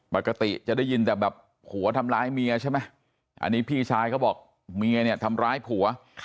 ปกติจะได้ยินแต่แบบผัวทำร้ายเมียใช่ไหมอันนี้พี่ชายเขาบอกเมียเนี่ยทำร้ายผัว